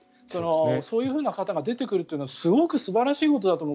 そういう方が出てくるというのはすごく素晴らしいことだと思う。